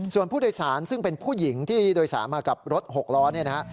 ส่วนผู้โดยสารซึ่งเป็นผู้หญิงที่โดยสารมากับรถหกล้อเนี่ยนะฮะ